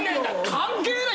「関係ない」